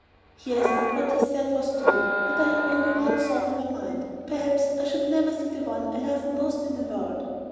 Yes, what he said was true, but I had only one thought in my mind, perhaps I should never again see the one I loved most in the world.